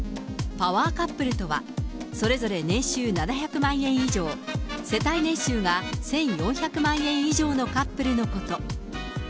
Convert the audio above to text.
パワーカップルとは、それぞれ年収７００万円以上、世帯年収が１４００万円以上のカップルのこと。